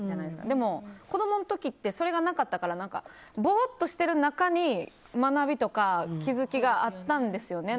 でも、子供の時ってそれがなかったからぼーっとしてる中に学びとか気づきがあったんですよね。